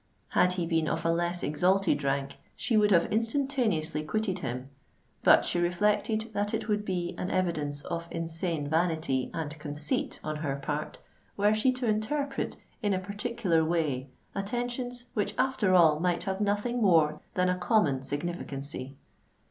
Had he been of a less exalted rank, she would have instantaneously quitted him; but she reflected that it would be an evidence of insane vanity and conceit on her part were she to interpret in a particular way attentions which after all might have nothing more than a common significancy.